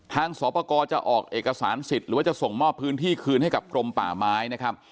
สอบประกอบจะออกเอกสารสิทธิ์หรือว่าจะส่งมอบพื้นที่คืนให้กับกรมป่าไม้นะครับ